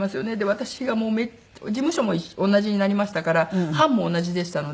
私がもう事務所も同じになりましたから班も同じでしたので。